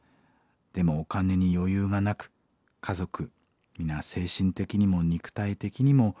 でもお金に余裕がなく家族皆精神的にも肉体的にもボロボロです。